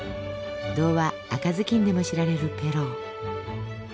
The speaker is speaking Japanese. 童話「赤ずきん」でも知られるペロー。